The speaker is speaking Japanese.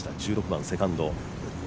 １６番セカンド。